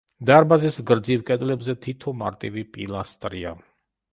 დარბაზის გრძივ კედლებზე თითო მარტივი პილასტრია.